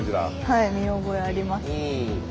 はい見覚えあります。